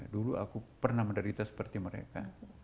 dulu aku pernah menderita seperti mereka